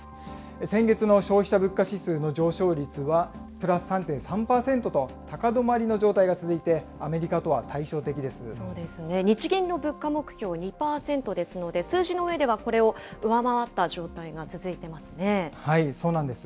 先月の消費者物価指数の上昇率は、＋３．３％と、高止まりの状態が続いて、そうですね、日銀の物価目標２％ですので、数字の上では、これを上回った状態が続いていますそうなんです。